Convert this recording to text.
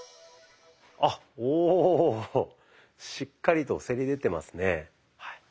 おおしっかりとせり出てますね。